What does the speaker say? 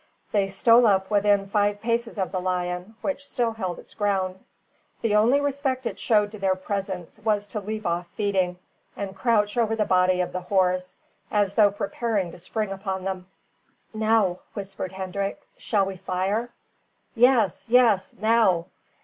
They stole up within five paces of the lion, which still held its ground. The only respect it showed to their presence was to leave off feeding and crouch over the body of the horse, as though preparing to spring upon them. "Now," whispered Hendrik, "shall we fire?" "Yes, yes! now!"